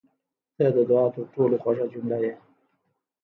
• ته د دعا تر ټولو خوږه جمله یې.